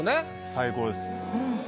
最高です。